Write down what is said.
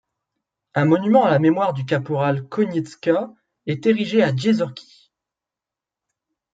Un monument à la mémoire du caporal Konieczka est érigé à Jeziorki.